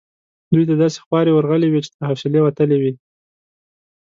دوی ته داسي خوارې ورغلي وې چې تر حوصلې وتلې وي.